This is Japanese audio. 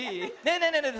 ねえねえねえね